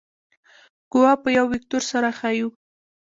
قوه په یو وکتور سره ښیو.